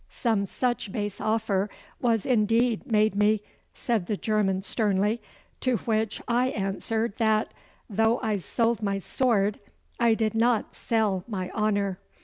'Some such base offer was indeed made me,' said the German sternly. 'To which I answered that, though I sold my sword, I did not sell my honour.